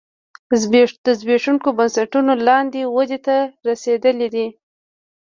د زبېښونکو بنسټونو لاندې ودې ته رسېدلی دی